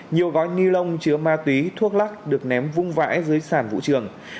nhiều gói ni lông chứa ma túy thuốc lắc được ném vung vãi dưới sàn vũ trường